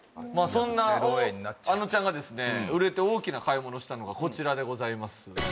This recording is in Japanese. そんなあのちゃんが売れて大きな買い物したのがこちらでございます。